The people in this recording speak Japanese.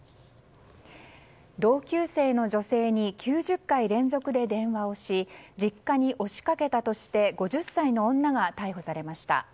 同級生の女性に９０回連続で電話をし実家に押し掛けたとして５０歳の女が逮捕されました。